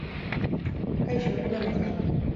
Kaixo, egun ona izan!